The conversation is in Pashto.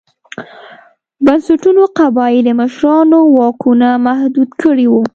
بنسټونو قبایلي مشرانو واکونه محدود کړي وو.